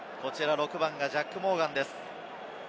６番がジャック・モーガンです。